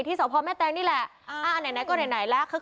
สพแม่แตงนี่แหละอ่าไหนไหนก็ไหนแล้ว